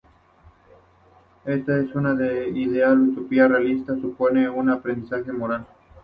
Esta es una idea utópica realista, supone un aprendizaje moral.